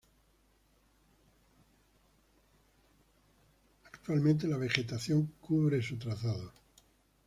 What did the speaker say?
Actualmente, la vegetación cubre su trazado.